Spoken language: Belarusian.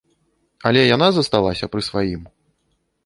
Але яна засталася пры сваім.